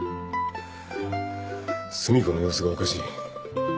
寿美子の様子がおかしい。